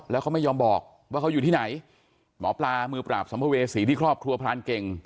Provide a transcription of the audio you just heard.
แล้วเขาไม่ยอมบอกว่าเขาอยู่ที่ไหนหมอปลามือปราบสัมภเวษีที่ครอบครัวพรานเก่ง